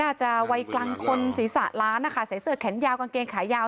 วัยกลางคนศีรษะล้านนะคะใส่เสื้อแขนยาวกางเกงขายาว